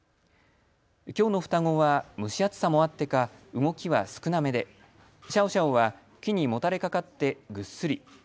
きょうの双子は蒸し暑さもあってか動きは少なめで、シャオシャオは木にもたれかかってぐっすり。